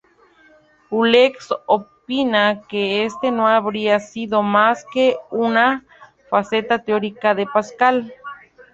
Huxley opina que este no habría sido más que una faceta teórica de Pascal.